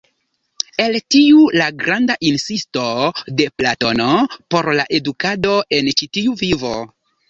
El tio la granda insisto de Platono por la edukado en ĉi tiu vivo.